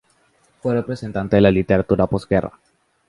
Fue representante de la literatura de posguerra.